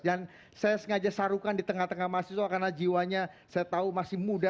dan saya sengaja sarukan di tengah tengah masjid soalnya karena jiwanya saya tahu masih muda